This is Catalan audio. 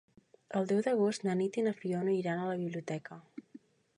El deu d'agost na Nit i na Fiona iran a la biblioteca.